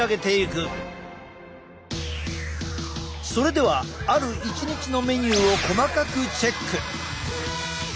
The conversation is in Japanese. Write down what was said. それではある一日のメニューを細かくチェック！